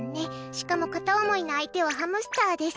しかも片思いの相手はハムスターです。